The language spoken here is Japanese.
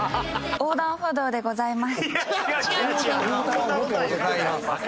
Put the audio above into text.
「横断歩道でございます」？